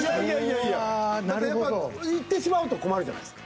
いってしまうと困るじゃないですか。